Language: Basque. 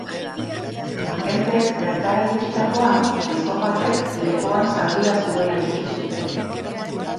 Agenteek bertara iritsitakoan gizon batek lepoan zauria zuela ikusi zuten.